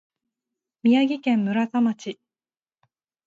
宮城県村田町